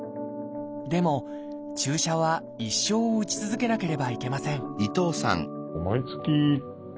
でも注射は一生打ち続けなければいけません